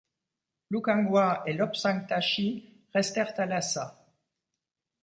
Lukhangwa et Lobsang Tashi restèrent à Lhassa.